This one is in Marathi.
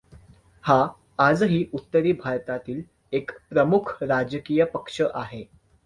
हा आजही उत्तरी भारतातील एक प्रमुख राजकीय पक्ष आहे.